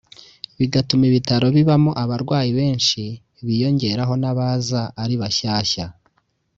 bigatuma ibitaro bibamo abarwayi benshi biyongeraho n’abaza ari bashyashya